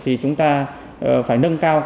thì chúng ta phải nâng cao